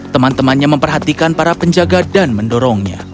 teman temannya memperhatikan para penjaga dan mendorongnya